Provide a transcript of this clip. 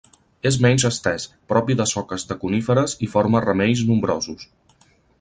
És menys estès, propi de soques de coníferes i forma ramells nombrosos.